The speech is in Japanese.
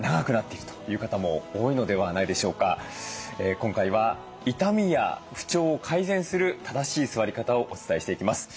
今回は痛みや不調を改善する正しい座り方をお伝えしていきます。